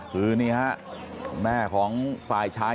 คือนี่ฮะแม่ของฝ่ายชาย